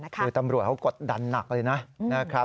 คือตำรวจเขากดดันหนักเลยนะครับ